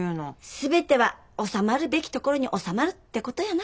全ては収まるべきところに収まるってことやな。